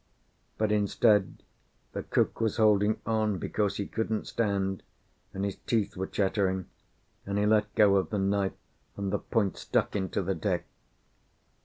But instead, the cook was holding on because he couldn't stand, and his teeth were chattering, and he let go of the knife, and the point stuck into the deck.